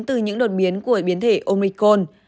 từ những đột biến của biến thể omicron